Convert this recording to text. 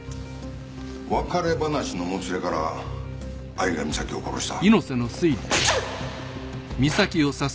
別れ話のもつれから有賀美咲を殺した。